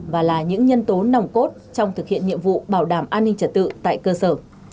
và là những nhân tố nòng cốt trong thực hiện nhiệm vụ bảo đảm an ninh trật tự tại cơ sở